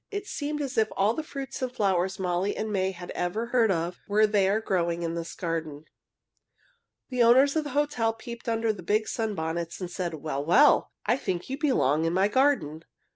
It seemed as if all the fruits and flowers Molly and May had ever heard of were growing in this garden. The owner of the hotel peeped under the big sunbonnets and said, "Well! well! I think you belong in my garden.